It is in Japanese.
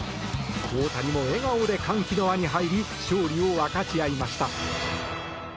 大谷も笑顔で歓喜の輪に入り勝利を分かち合いました。